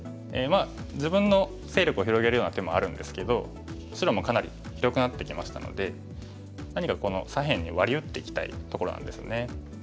自分の勢力を広げるような手もあるんですけど白もかなり広くなってきましたので何か左辺にワリ打っていきたいところなんですね。